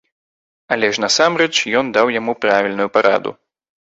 Але ж насамрэч ён даў яму правільную параду.